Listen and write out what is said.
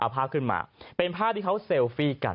เป็นภาพที่เขาเซลฟี่กัน